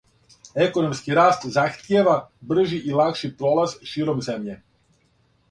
Економски раст захтијева бржи и лакши пролаз широм земље.